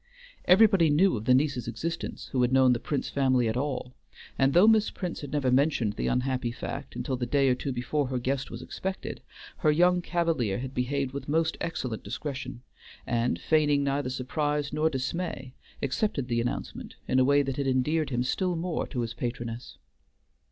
Everybody knew of the niece's existence who had known the Prince family at all, and though Miss Prince had never mentioned the unhappy fact until the day or two before her guest was expected, her young cavalier had behaved with most excellent discretion, and feigning neither surprise nor dismay, accepted the announcement in a way that had endeared him still more to his patroness.